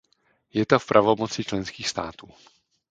Je to v pravomoci členských států.